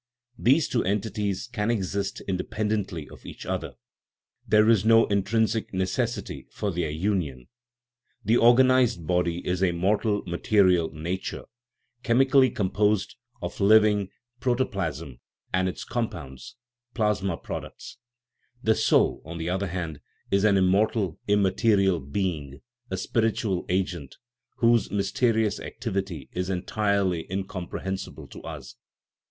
These two entities can exist inde pendently of each other; there is no intrinsic neces sity for their union. The organized body is a mortal, material nature, chemically composed of living proto THE RIDDLE OF THE UNIVERSE plasm and its compounds (plasma products). The soul, on the other hand, is an immortal, immaterial being, a spiritual agent, whose mysterious activity is entirely incomprehensible to us.